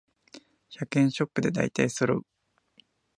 百円ショップでだいたいそろう